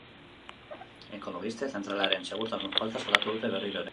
Ekologistek zentralaren segurtasun falta salatu dute berriro ere.